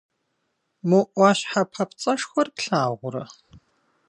Мо Ӏуащхьэ папцӀэшхуэр плъагъурэ?